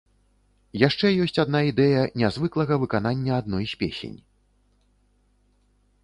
Яшчэ ёсць адна ідэя нязвыклага выканання адной з песень.